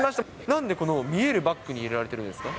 なんでこの見えるバッグに入れられてるんですか。